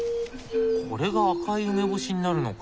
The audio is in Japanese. これが赤い梅干しになるのか。